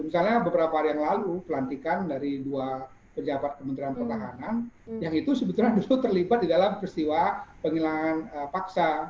misalnya beberapa hari yang lalu pelantikan dari dua pejabat kementerian pertahanan yang itu sebetulnya dulu terlibat di dalam peristiwa penghilangan paksa